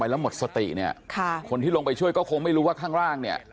ไปแล้วหมดสติเนี้ยค่ะคนที่ลงไปช่วยก็ไม่รู้ว่าข้าง